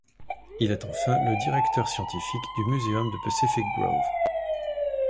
Il est enfin le directeur scientifique du muséum de Pacific Grove.